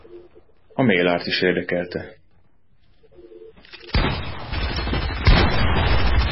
A mail-art is érdekelte.